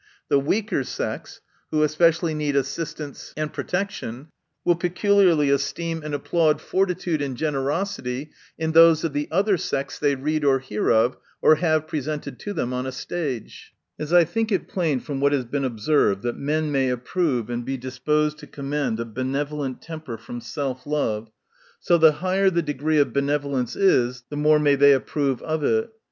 The weaker sex, who especially need assistance and protection, will peculiarly esteem and applaud fortitude and generosity in those of the other sex, they read or hear of, or have represented to them on a stage. As I think it plain from what has been observed, that men may approve and be disposed to commend a benevolent temper, from self love, so the higher the degree of benevolence is, the more may they approve of it.